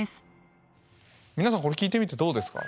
皆さんこれ聞いてみてどうですか？